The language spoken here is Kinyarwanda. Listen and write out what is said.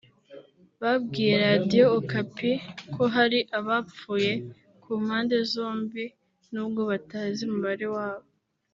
babwiye Radiyo Okapi ko hari abapfuye ku mpande zombi nubwo batazi umubare wabo